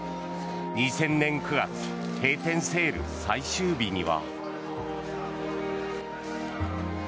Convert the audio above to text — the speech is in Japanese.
２０００年９月閉店セール最終日には。